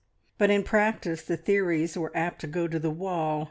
But in practice the theories were apt to go to the wall.